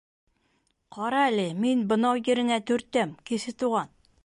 — Ҡара әле, мин бынау ереңә төртәм, Кесе Туған!